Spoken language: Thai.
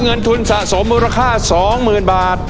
เงินทุนสะสมมูลค่า๒๐๐๐บาท